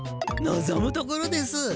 のぞむところです！